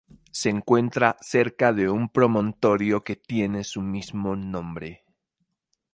Se encuentra cerca de un promontorio que tiene su mismo nombre.